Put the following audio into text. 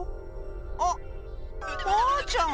あっマーちゃん！